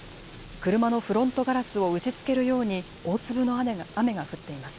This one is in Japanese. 車のフロントガラスを打ちつけるように大粒の雨が降っています。